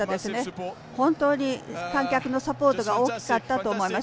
観客のサポートが大きかったと思います。